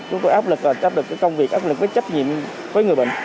chúng tôi áp lực trách nhiệm với công việc áp lực với trách nhiệm với người bệnh